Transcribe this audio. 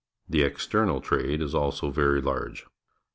The external trade is also very large.